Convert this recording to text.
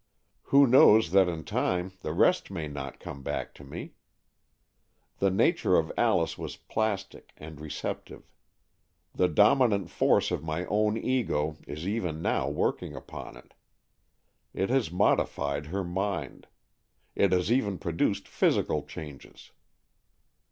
Who knows that in time the rest may not come back to me? The nature of Alice was plastic and receptive. The dominant force of my own Ego is even now working upon it. It has modified her mind. It has even produced physical changes.